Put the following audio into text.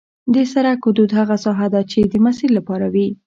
د سرک حدود هغه ساحه ده چې د مسیر لپاره وي